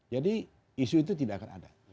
jadi isu itu tidak akan ada